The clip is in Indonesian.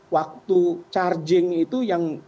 waktu charging itu yang